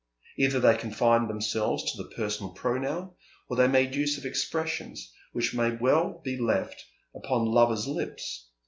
Either they confined themselves to the personal pronoun, or they made use of expressions which may well be left upon their lovers' lips.